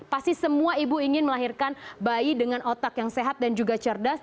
pasti semua ibu ingin melahirkan bayi dengan otak yang sehat dan juga cerdas